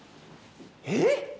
えっ！